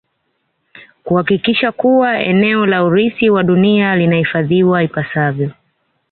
Kuhakikisha kuwa eneo la urithi wa dunia linahifadhiwa ipasavyo